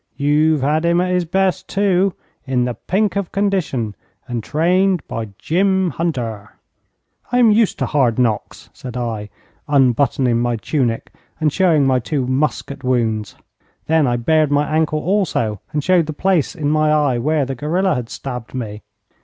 'You've had him at his best, too in the pink of condition, and trained by Jim Hunter.' 'I am used to hard knocks,' said I, unbuttoning my tunic, and showing my two musket wounds. Then I bared my ankle also, and showed the place in my eye where the guerilla had stabbed me.